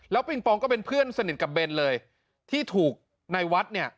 ปิงปองก็เป็นเพื่อนสนิทกับเบนเลยที่ถูกในวัดเนี่ย